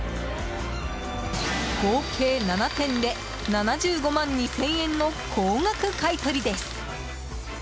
合計７点で、７５万２０００円の高額買い取りです。